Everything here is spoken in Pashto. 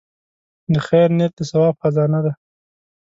د خیر نیت د ثواب خزانه ده.